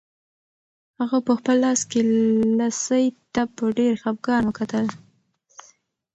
هغه په خپل لاس کې لسی ته په ډېر خپګان وکتل.